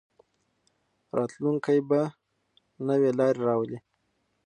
راتلونکی به نوې لارې راولي.